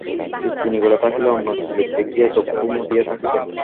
স্ত্রী নিকটে থাকিলে অন্য স্ত্রীলোক দেখিয়া চক্ষু মুদিয়া থাকিতেন।